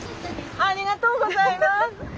ありがとうございます。